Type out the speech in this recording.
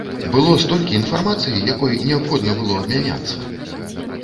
Было столькі інфармацыі, якой неабходна было абмяняцца!